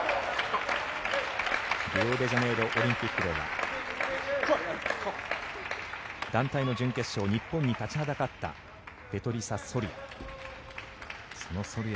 リオデジャネイロオリンピックでは団体の準決勝日本に立ちはだかったペトリサ・ソルヤ。